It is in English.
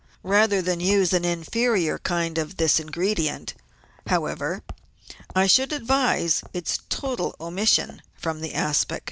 Rather than use an inferior kind of this ingredient, however, I should advise its total omission from the aspic.